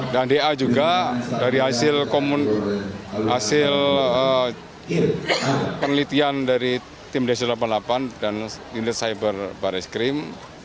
dan da juga dari hasil penelitian dari tim d satu ratus delapan puluh delapan dan indir cyber baris krim